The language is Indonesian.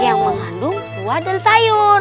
yang mengandung kuah dan sayur